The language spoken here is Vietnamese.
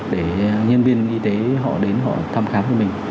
để nhân viên y tế họ đến họ thăm khám của mình